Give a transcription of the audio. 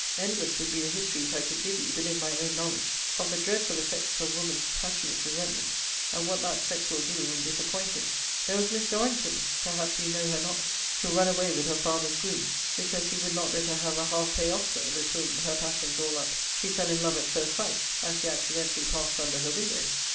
Endless would be the histories I could give you, within my own knowledge, of the dreadful effects of woman's passionate resentments, and what that sex will do when disappointed. There was Miss DORRINGTON, [perhaps you know her not,] who run away with her father's groom, because he would not let her have a half pay officer, with whom (her passions all up) she fell in love at first sight, as he accidentally passed under her window.